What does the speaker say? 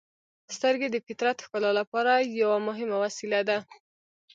• سترګې د فطرت ښکلا لپاره یوه مهمه وسیله ده.